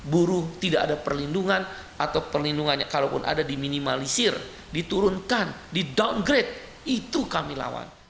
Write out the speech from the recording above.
buruh tidak ada perlindungan atau perlindungannya kalaupun ada diminimalisir diturunkan di downgrade itu kami lawan